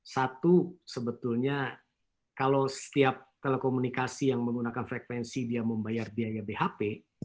satu sebetulnya kalau setiap telekomunikasi yang menggunakan frekuensi dia membayar biaya bhp